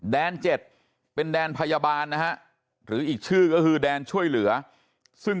แดน๗เป็นแดนพยาบาลนะฮะหรืออีกชื่อก็คือแดนช่วยเหลือซึ่ง